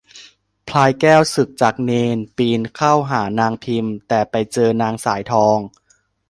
พลายแก้วสึกจากเณร ปีนเข้าหานางพิม แต่ไปเจอนางสายทอง